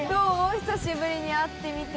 久しぶりに会ってみて。